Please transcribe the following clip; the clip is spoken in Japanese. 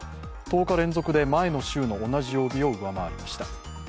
１０日連続で前の週の同じ曜日を上回りました。